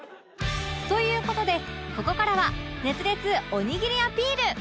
という事でここからは熱烈おにぎりアピール！